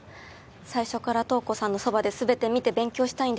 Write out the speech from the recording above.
最初から瞳子さんのそばで全て見て勉強したいんです